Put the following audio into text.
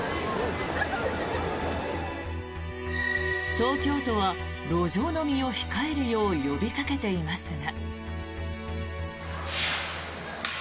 東京都は路上飲みを控えるよう呼びかけていますが。